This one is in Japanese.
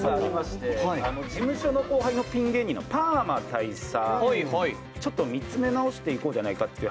事務所の後輩のピン芸人パーマ大佐を見つめ直していこうじゃないかと。